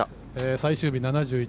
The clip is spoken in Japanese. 最終日、７１。